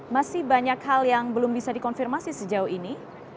masih banyak hal yang belum bisa dikonfirmasi sejauh ini